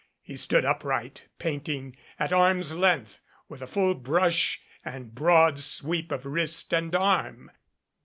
He stood upright painting at arm's length with a full brush and broad sweep of wrist and arm.